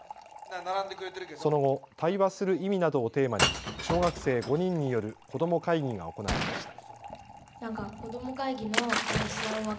その後、対話する意味などをテーマに小学生５人によるこどもかいぎが行われました。